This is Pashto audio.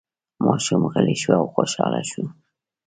ماشوم غلی شو او خوشحاله شو.